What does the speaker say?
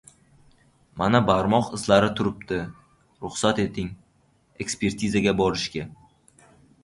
Mana, barmoq izlari turibdi. Ruxsat eting, eksperizaga borishga!